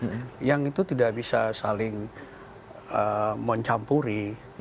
ada kekuasaan yang itu tidak bisa saling mencampuri